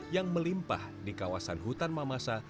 yang melimpah di kawasan hutan mamasa